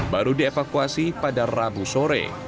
baru dievakuasi pada rabu sore